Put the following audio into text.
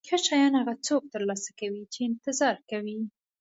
ښه شیان هغه څوک ترلاسه کوي چې انتظار کوي.